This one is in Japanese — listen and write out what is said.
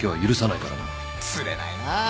つれないな。